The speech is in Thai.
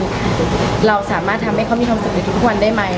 เราสามารถทำให้เขามีความสุขในทุกวันได้ไหม